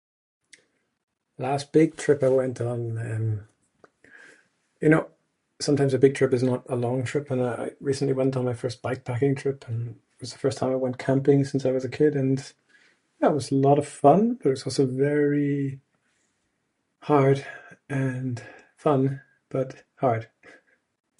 Last big trip I went on, um, you know sometimes a big trip is not a long trip and I I recently went on my first backpacking trip and it was the first time I went camping since I was a kid. And, yeah, it was a lot of fun, but it was also very hard and fun, but hard.